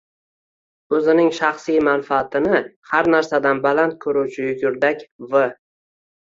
o’zining shaxsiy manfaatini har narsadan baland ko’ruvchi yugurdak v